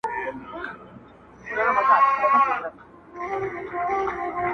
• ورځ دي په اوښکو شپه دي ناښاده -